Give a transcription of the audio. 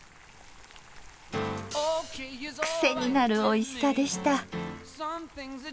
癖になるおいしさでした。